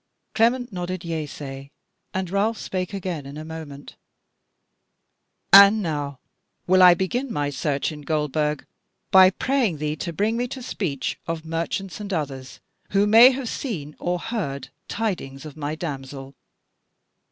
Clement nodded yeasay, and Ralph spake again in a moment: "And now will I begin my search in Goldburg by praying thee to bring me to speech of merchants and others who may have seen or heard tidings of my damsel."